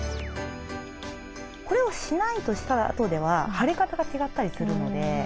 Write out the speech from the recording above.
これをしないとしたあとでは腫れ方が違ったりするので。